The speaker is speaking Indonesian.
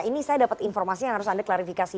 ini saya dapat informasi yang harus anda klarifikasi